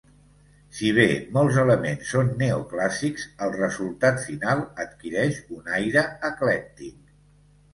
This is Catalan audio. Si bé, molts elements són neoclàssics, el resultat final adquireix un aire eclèctic.